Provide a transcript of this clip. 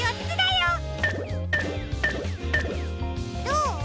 どう？